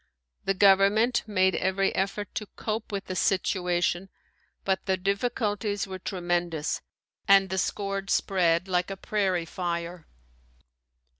The government made every effort to cope with the situation but the difficulties were tremendous and the scourge spread like a prairie fire.